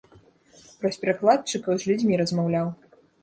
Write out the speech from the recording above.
Праз перакладчыкаў з людзьмі размаўляў.